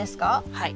はい。